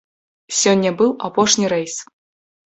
Сёння быў апошні рэйс.